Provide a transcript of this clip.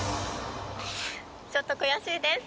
ちょっと悔しいです。